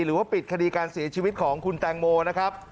หรือว่าปิดคดีการเสียชีวิตของคุณแตงโมนะครับ